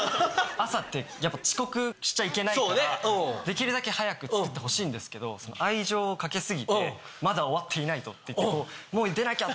朝ってやっぱ遅刻しちゃいけないからできるだけ早く作ってほしいんですけど愛情をかけ過ぎて「まだ終わっていない」って言って。